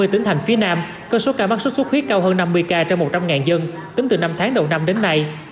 một mươi một hai mươi tỉnh thành phía nam cơ số ca mắc sốt xuất huyết cao hơn năm mươi ca trong một trăm linh dân tính từ năm tháng đầu năm đến nay